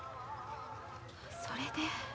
それで。